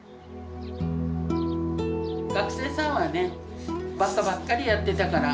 学生さんはねバカばっかりやってたから。